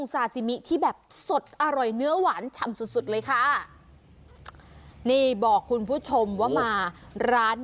ซาซิมิที่แบบสดอร่อยเนื้อหวานฉ่ำสุดสุดเลยค่ะนี่บอกคุณผู้ชมว่ามาร้าน